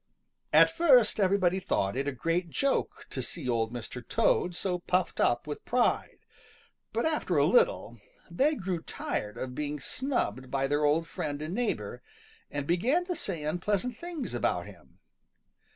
At first everybody thought it a great joke to see Old Mr. Toad so puffed up with, pride, but after a little they grew tired of being snubbed by their old friend and neighbor, and began to say unpleasant things about him.